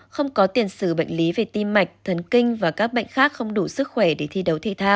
không có tiền sử bệnh lý về tim mạch thân kinh và các bệnh khác không đủ sức khỏe để thi đấu thi thao